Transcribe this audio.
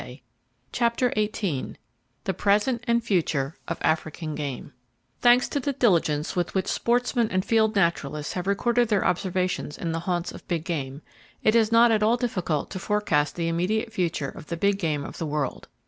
[Page 181] CHAPTER XVIII THE PRESENT AND FUTURE OF AFRICAN GAME Thanks to the diligence with which sportsmen and field naturalists have recorded their observations in the haunts of big game, it is not at all difficult to forecast the immediate future of the big game of the world.